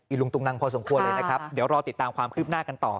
ลุงตุงนังพอสมควรเลยนะครับเดี๋ยวรอติดตามความคืบหน้ากันต่อ